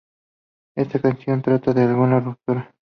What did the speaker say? Esta canción trata de alguna ruptura.